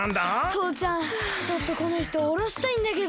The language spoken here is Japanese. とうちゃんちょっとこのひとおろしたいんだけど。